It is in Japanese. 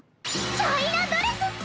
チャイナドレスっス！